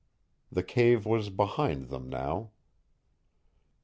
The cave was behind them now.